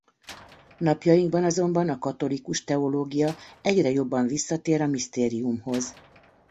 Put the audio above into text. Napjainkban azonban a katolikus teológia egyre jobban visszatér a misztériumhoz.